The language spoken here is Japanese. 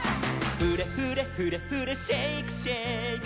「フレフレフレフレシェイクシェイク」